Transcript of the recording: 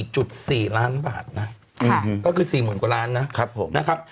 จุด๔ล้านบาทนะก็คือ๔หมดกว่าล้านนะ